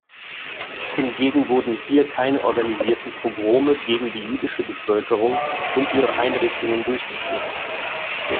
Hingegen wurden hier keine organisierten Pogrome gegen die jüdische Bevölkerung und ihre Einrichtungen durchgeführt.